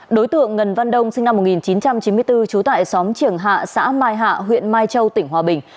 đối tượng ngân văn đông sinh năm một nghìn chín trăm chín mươi bốn trú tại xóm triềng hạ xã mai hạ huyện mai châu tỉnh hòa bình